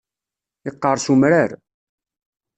Yeqqeṛs umrar.